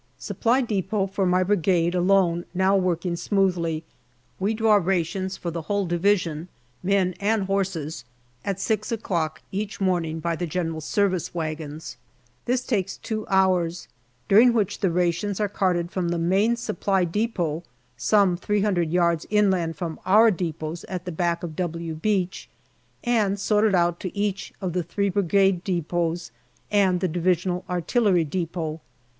Supply depot for my Brigade alone now working smoothly. We draw rations for the whole Division, men and horses, at six o'clock each morning by G.S. wagons. This takes two hours, during which the rations are carted from the Main Supply depot some three hundred yards inland from our depots at the back of " W " Beach, and sorted out to each of the three Brigade depots and the Divisional artillery depot.